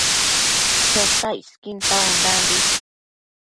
Chotac isquin tauaondambi